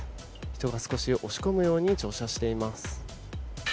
人が少し押し込むように乗車しています。